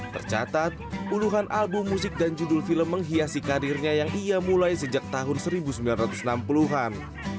tercatat puluhan album musik dan judul film menghiasi karirnya yang ia mulai sejak tahun seribu sembilan ratus enam puluh an